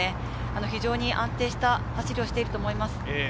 非常に安定した走りをしています。